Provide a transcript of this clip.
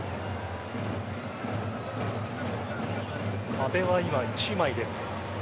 壁は今、１枚です。